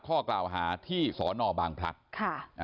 ข้อกล่าวหาที่สนบางพลัทธ์